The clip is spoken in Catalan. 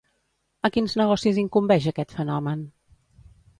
A quins negocis incumbeix aquest fenomen?